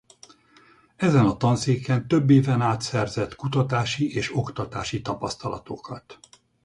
Ezen a tanszéken több éven át szerzett kutatási és oktatási tapasztalatokat.